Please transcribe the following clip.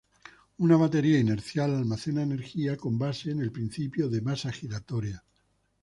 Una batería inercial almacena energía con base en el principio de masa giratoria.